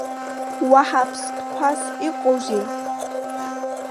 Уаҳа ԥстәқәас иҟоузеи…